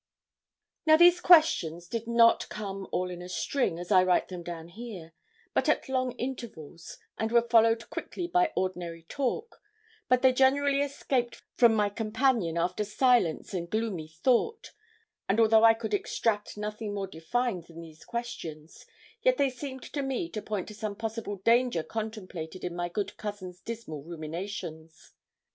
Now, these questions did not come all in a string, as I write them down here, but at long intervals, and were followed quickly by ordinary talk; but they generally escaped from my companion after silence and gloomy thought; and though I could extract nothing more defined than these questions, yet they seemed to me to point at some possible danger contemplated in my good cousin's dismal ruminations.